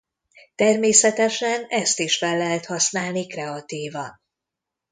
Természetesen ezt is fel lehet használni kreatívan.